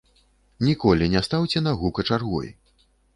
Ніколі не стаўце нагу качаргой.